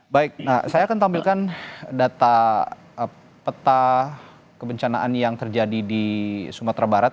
baik saya akan tampilkan data peta kebencanaan yang terjadi di sumatera barat